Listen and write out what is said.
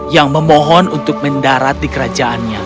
yang memohon untuk mendarat di kerajaannya